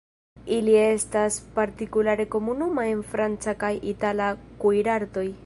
Ili estas partikulare komuna en franca kaj itala kuirartoj.